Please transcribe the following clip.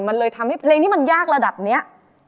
มันเลยทำให้เพลงนี้มันยากระดับนี้